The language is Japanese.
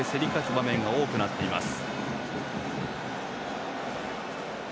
場面が多くなっています。